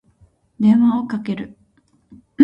電話をかける。